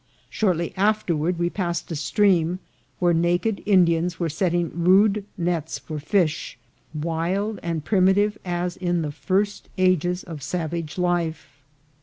Shortly afterward we passed a stream, where naked Indians were set ting rude nets for fish, wild and primitive as in the first ages of savage life.